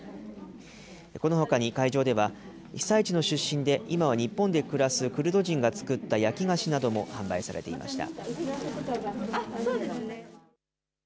このほかに会場では、被災地の出身で今は日本で暮らすクルド人が作った焼き菓子なども販売されていました。